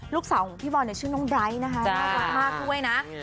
ลูกสาวของพี่บอลเนี่ยชื่อน้องไดท์นะคะน่ารักมากด้วยนะ